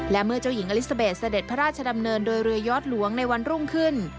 และเมื่อเจ้าหญิงอลิซาเบสเสด็จพระราชดำเนินโดยเรือยอดหลวงในวันรุ่งขึ้น